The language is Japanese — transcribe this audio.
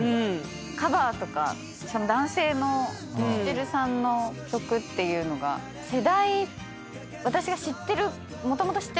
カバーとかしかも男性のミスチルさんの曲っていうのが世代私が知ってる。